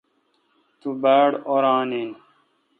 تو باڑ اوران این۔